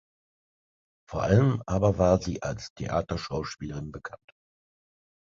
Vor allem aber war sie als Theaterschauspielerin bekannt.